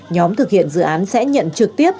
nhóm thực hiện dự án sẽ nhận trực tiếp